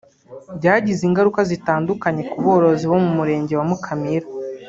byagize ingaruka zitandukanye ku borozi bo mu Murenge wa Mukamira